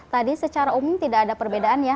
tadi secara umum tidak ada perbedaan ya